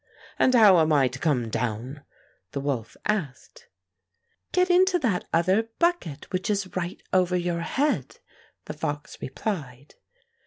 "And how am I to come down?" the wolf asked. " Get into that other bucket which is right over your head," the fox replied.